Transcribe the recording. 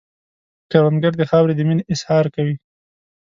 کروندګر د خاورې د مینې اظهار کوي